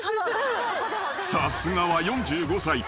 ［さすがは４５歳。